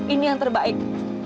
ini yang terbaik